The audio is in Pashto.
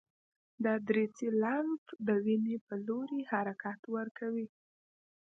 دا دریڅې لمف ته د وینې په لوري حرکت ورکوي.